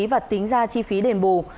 và tính ra chi phí đền bù